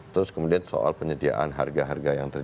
terus kemudian soal penyediaan harga harga yang terjadi